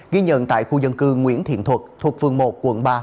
ghi nhận tại khu dân cư nguyễn thiện thuật thuộc phường một quận ba